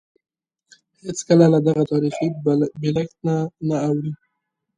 هېڅکله له دغه تاریخي بېلښته نه اوړي.